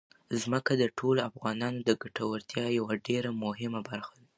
ځمکه د ټولو افغانانو د ګټورتیا یوه ډېره مهمه برخه ده.